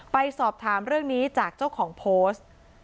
ไปสอบถามเรื่องนี้จากเจ้าของโพสต์